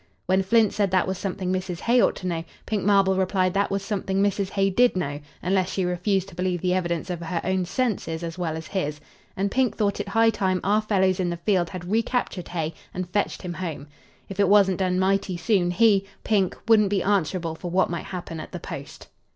When Flint said that was something Mrs. Hay ought to know, Pink Marble replied that was something Mrs. Hay did know, unless she refused to believe the evidence of her own senses as well as his, and Pink thought it high time our fellows in the field had recaptured Hay and fetched him home. If it wasn't done mighty soon he, Pink, wouldn't be answerable for what might happen at the post.